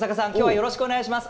よろしくお願いします。